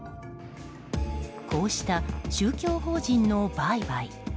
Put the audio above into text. こうした宗教法人の売買。